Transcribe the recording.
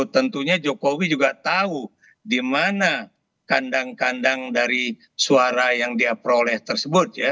tentunya jokowi juga tahu di mana kandang kandang dari suara yang dia peroleh tersebut ya